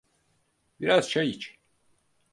Biraz çay iç.